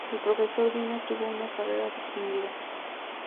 El profesor Vine tuvo una carrera distinguida.